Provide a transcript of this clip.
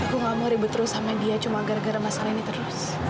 aku gak mau ribut terus sama dia cuma gara gara masalah ini terus